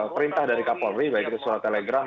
perintah dari kapolri baik itu surat telegram